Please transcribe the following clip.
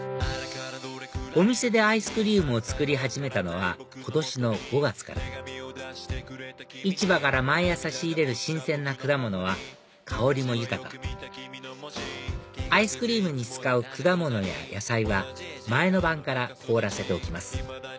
お店でアイスクリームを作り始めたのは今年の５月から市場から毎朝仕入れる新鮮な果物は香りも豊かアイスクリームに使う果物や野菜は前の晩から凍らせておきます